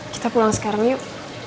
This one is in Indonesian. kita pulang sekarang yuk